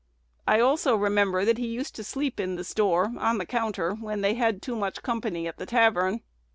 I also remember that he used to sleep in the store, on the counter, when they had too much company at the tavern.